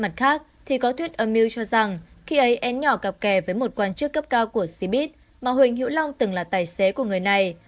mặt khác thì có thuyết âm mưu cho rằng khi ấy em nhỏ gặp kè với một quan chức cấp cao của xibit mà huỳnh hữu long từng là tài xế của người này